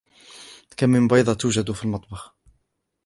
كم من بيضة توجد في المطبخ ؟